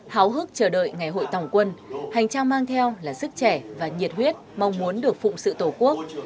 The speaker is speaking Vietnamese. háo hức chờ đợi ngày hội tổng quân hành trang mang theo là sức trẻ và nhiệt huyết mong muốn được phụng sự tổ quốc